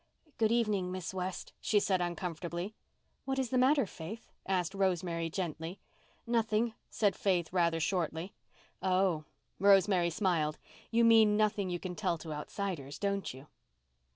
"Good evening, Miss West," she said uncomfortably. "What is the matter, Faith?" asked Rosemary gently. "Nothing," said Faith rather shortly. "Oh!" Rosemary smiled. "You mean nothing that you can tell to outsiders, don't you?"